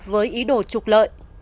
với ý đồ trục lợi